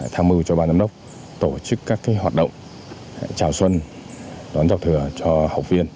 tham mưu cho ban giám đốc tổ chức các hoạt động chào xuân đón giao thừa cho học viên